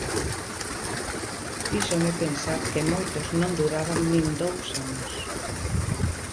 Fíxome pensar que moitos non duraban nin dous anos.